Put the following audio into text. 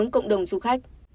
cộng đồng du khách